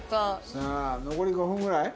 さあ残り５分ぐらい？